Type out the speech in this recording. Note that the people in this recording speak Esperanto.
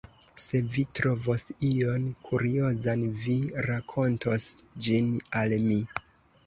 Se vi trovos ion kuriozan, vi rakontos ĝin al mi.